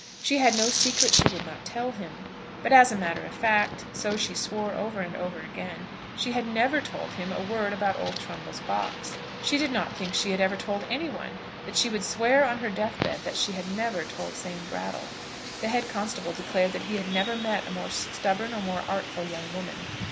She had no secret she would not tell him. But, as a matter of fact, so she swore over and over again, she had never told him a word about old Trumbull's box. She did not think she had ever told any one; but she would swear on her death bed that she had never told Sam Brattle. The head constable declared that he had never met a more stubborn or a more artful young woman.